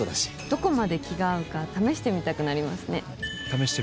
どこまで気が合うか試してみたくなりますね。